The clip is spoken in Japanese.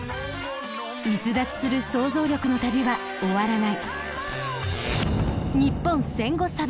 逸脱する想像力の旅は終わらない。